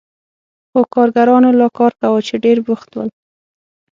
خو کارګرانو لا کار کاوه چې ډېر بوخت ول.